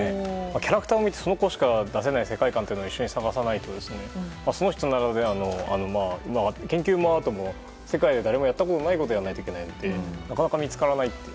キャラクターを見てその子しか出せない世界観を一緒に探さないとその人ならではの、研究も世界で誰もやったことがないことはなかなか見つからない。